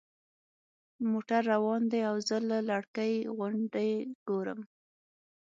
موټر روان دی او زه له کړکۍ غونډۍ ګورم.